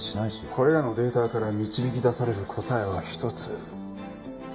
これらのデータから導き出される答えは一つ。